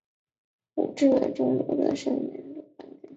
胡志伟中夺得盛年组冠军。